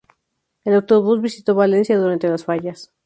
El autobús visitó Valencia durante Las Fallas.